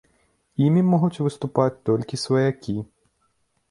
Імі могуць выступаць толькі сваякі.